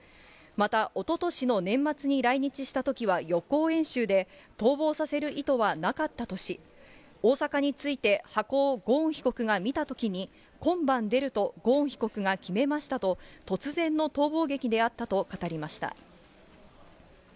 また、おととしの年末に来日したときは予行演習で、逃亡させる意図はなかったとし、大阪に着いて、箱をゴーン被告が見たときに、今晩出ると、ゴーン被告が決めましたと、突然の逃亡劇であったと語りました。